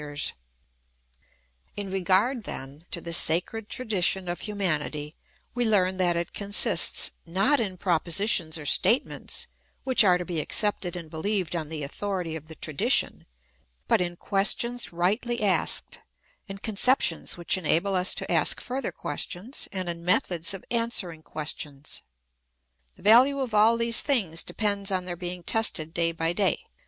THE ETHICS OF BELIEF. 205 In regard, then, to the sacred tradition of humanity, we learn that it consists, not in propositions or state ments which are to be accepted and beheved on the authority of the tradition, but in questions rightly asked, in conceptions which enable us to ask further questions, and in methods of answering questions. The value of all these things depends on their being tested day by day.